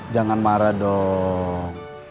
jangan marah dong